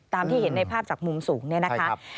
ตามที่เห็นในภาพจากมุมสูงนี่นะครับ